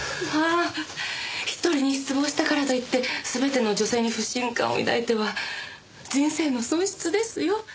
まあ１人に失望したからといって全ての女性に不信感を抱いては人生の損失ですよ。